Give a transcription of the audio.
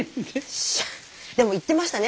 でも言ってましたね